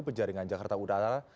pejaringan jakarta udara